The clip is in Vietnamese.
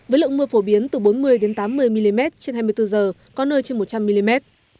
với lượng mưa phổ biến từ bốn mươi tám mươi mm trên hai mươi bốn h có nơi trên một trăm linh mm